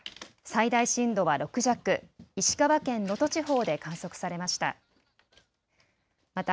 最大震度は６弱、石川県能登地方で観測されました。